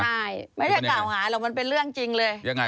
ใช่ไม่ได้กล่าวหาหรอกมันเป็นเรื่องจริงเลยยังไง